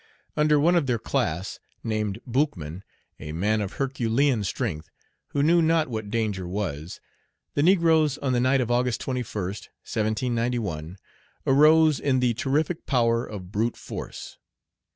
Under one of their class, named Boukman, a man of Herculean strength, who knew not what danger was, the negroes on the night of August 21st, 1791, arose in the terrific power of brute force.